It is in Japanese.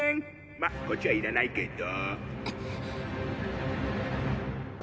「まぁこっちはいらないけど」